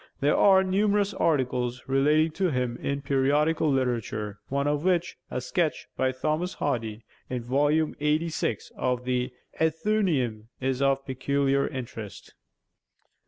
There are numerous articles relating to him in periodical literature, one of which, a sketch by Thomas Hardy, in Vol. 86 of the 'Athenaeum,' is of peculiar interest.